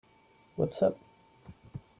What's up?